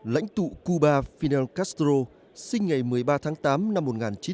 lãnh tụ cuba fidel castro sinh ngày một mươi ba tháng tám năm một nghìn chín trăm hai mươi sáu